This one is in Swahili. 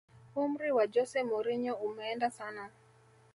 umri wa jose mourinho umeenda sana